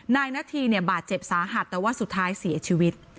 นาธีเนี่ยบาดเจ็บสาหัสแต่ว่าสุดท้ายเสียชีวิต